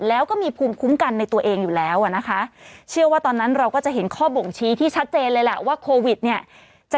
แล้วก็มีภูมิคุ้มกันในตัวเองอยู่แล้วอะนะคะ